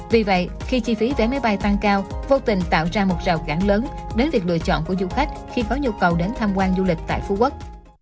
vì vậy khi chi phí vé máy bay tăng cao vô tình tạo ra một rào cản lớn đến việc lựa chọn của du khách khi có nhu cầu đến tham quan du lịch tại phú quốc